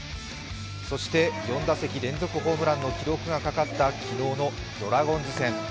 そして、４打席連続ホームランの記録がかかった昨日のドラゴンズ戦。